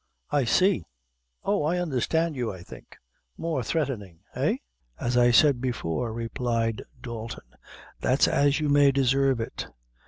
I see oh, I understand you, I think more threatening eh?" "As I said before," replied Dalton, "that's as you may deserve it.